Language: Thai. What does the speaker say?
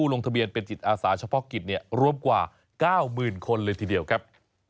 ลงทะเบียนเป็นจิตอาสาชะพอกิตเนี่ยรวมกว่า๙หมื่นคนเลยทีเดียวครับ